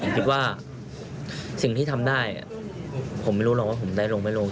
ผมคิดว่าสิ่งที่ทำได้ผมไม่รู้หรอกว่าผมได้ลงไม่ลง